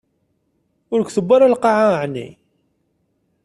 Ur k-tewwi ara lqaɛa, ɛni?